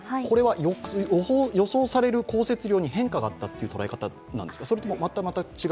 これは予想される降雪量に変化があったという考え方なんですか？